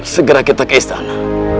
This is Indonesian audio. segera kita ke istana